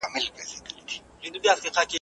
ما د خضر پر چینه لیدلي مړي ,